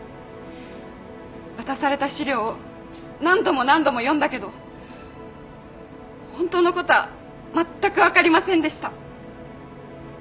渡された資料を何度も何度も読んだけど本当のことはまったく分かりませんでした。